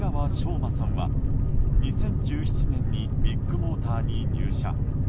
馬さんは２０１７年にビッグモーターに入社。